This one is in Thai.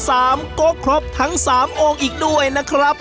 โก๊กครบทั้งสามองค์อีกด้วยนะครับ